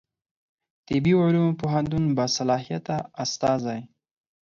طبي علومو پوهنتون باصلاحیته استازی